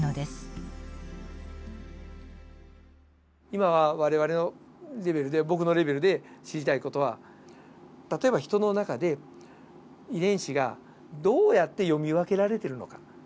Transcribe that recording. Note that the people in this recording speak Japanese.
今我々のレベルで僕のレベルで知りたい事は例えばヒトの中で遺伝子がどうやって読み分けられてるのか。